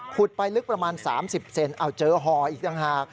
ขุดไปลึกประมาณ๓๐เซนเจอฮอล์อีกทางหา